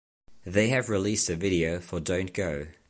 They have released a video for "Don't Go".